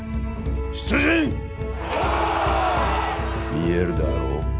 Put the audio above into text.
見えるであろう？